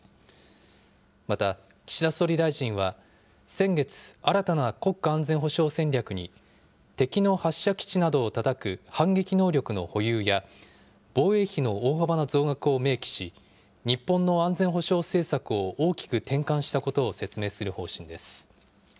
また、岸田総理大臣は先月、新たな国家安全保障戦略に、敵の発射基地などをたたく反撃能力の保有や、防衛費の大幅な増額を明記し、日本の安全保障政策を大きく転換したことを説明する方針です。